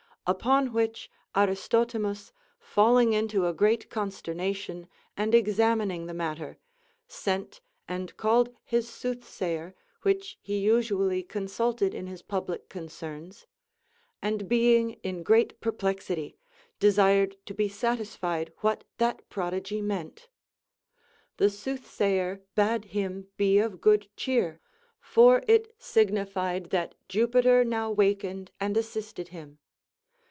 Upon \vhich Aristotimus, falling into a great consternation and examining the matter, sent and called his soothsayer which he usually consulted in his public concerns, and being in great perplexity, desired to be satisfied what that prodigy meant. The soothsayer bade him be of good cheer, for it signified that Jupiter now wakened and assisted him.